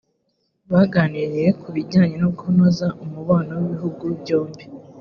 baganiriye ku bijyanye no kunoza umubano w’ibihugu byombi